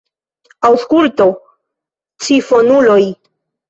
Aŭskultu, ĉifonuloj!